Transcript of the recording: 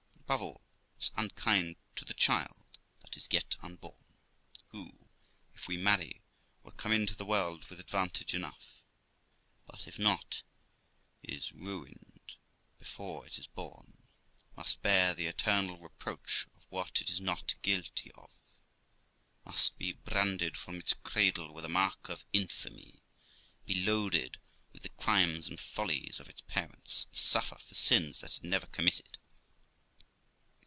But, above all, it is unkind to the child that is yet unborn, who, if we marry, will come into the world with advantage enough, but if not, is ruined before it is born; must bear the eternal reproach of what it is not guilty of; must be branded from its cradle with a mark of infamy, be loaded with the crimes and follies of its parents, and suffer for sins that it never committed.